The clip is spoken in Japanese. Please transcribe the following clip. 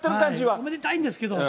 おめでたいんですけど。